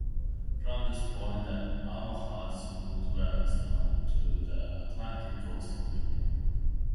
From this point the Almohads moved west onto the Atlantic coastal plain.